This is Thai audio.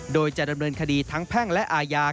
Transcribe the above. โดยจะดำเนินคดีทั้งแพ่งและอาญา